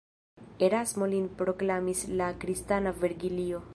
Erasmo lin proklamis la kristana Vergilio.